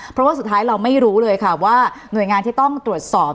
เพราะว่าสุดท้ายเราไม่รู้เลยค่ะว่าหน่วยงานที่ต้องตรวจสอบ